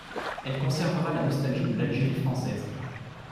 Elle conservera la nostalgie de l'Algérie française.